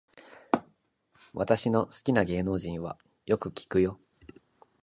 私の好きな芸能人はよく聞くよ